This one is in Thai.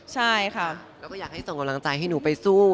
ใช่ค่ะแล้วก็อยากให้ส่งกำลังใจให้หนูไปสู้